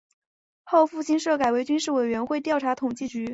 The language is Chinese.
后复兴社改为军事委员会调查统计局。